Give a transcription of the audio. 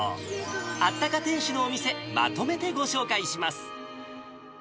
あったか店主のお店、まとめてご紹介します。